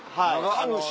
神主？